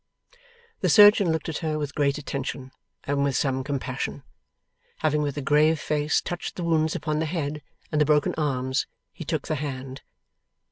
The surgeon looked at her with great attention, and with some compassion. Having with a grave face touched the wounds upon the head, and the broken arms, he took the hand.